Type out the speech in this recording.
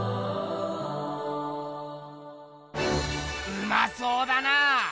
うまそうだな！